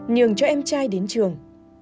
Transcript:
nhường cho em trai đến trường